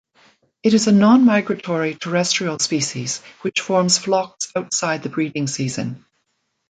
It is a non-migratory terrestrial species, which forms flocks outside the breeding season.